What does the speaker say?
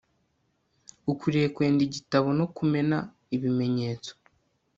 ukwiriye kwenda igitabo no kumena ibimenyetso